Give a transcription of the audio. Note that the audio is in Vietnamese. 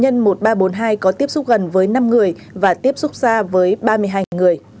sở y tế tp hcm xác định bệnh nhân một nghìn ba trăm bốn mươi hai có tiếp xúc gần với năm người và tiếp xúc ra với ba mươi hai người